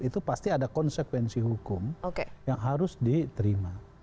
itu pasti ada konsekuensi hukum yang harus diterima